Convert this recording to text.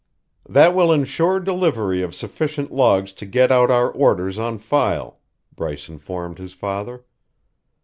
"That will insure delivery of sufficient logs to get out our orders on file," Bryce informed his father.